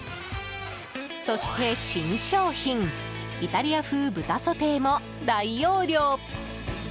そして、新商品イタリア風豚ソテーも大容量。